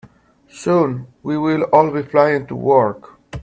Soon, we will all be flying to work.